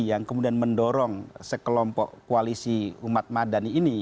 yang kemudian mendorong sekelompok koalisi umat madani ini